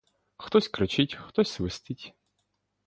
Хтось кричить, хтось свистить.